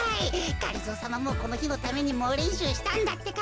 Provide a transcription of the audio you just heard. がりぞーさまもこのひのためにもうれんしゅうしたんだってか。